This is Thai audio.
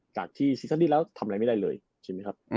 จากที่ซีซั่นดี้แล้วทำอะไรไม่ได้เลยใช่ไหมครับ